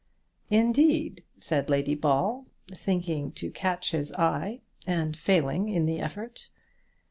"Indeed," said Lady Ball, thinking to catch his eye, and failing in the effort.